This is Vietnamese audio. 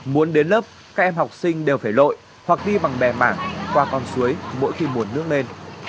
muốn đến lớp các em học sinh đều phải lội hoặc ghi bằng bè mảng qua con suối mỗi khi mùa nước lên